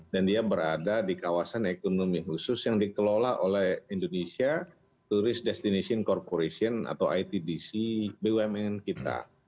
dan dia berada di kawasan ekonomi khusus yang dikelola oleh indonesia tourist destination corporation atau itdc bumn kita